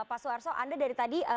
pak suarso anda dari tadi